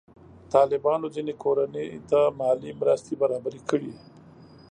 طالبانو ځینې کورنۍ ته مالي مرستې برابرې کړي.